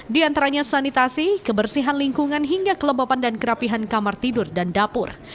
diantaranya sanitasi kebersihan lingkungan hingga kelembapan dan kerapihan kamar tidur dan dapur